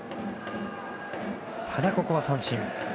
ただ、ここは三振。